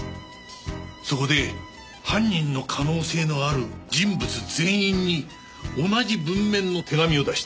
そこで犯人の可能性のある人物全員に同じ文面の手紙を出した。